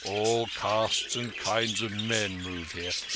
All castes and kinds of men move here.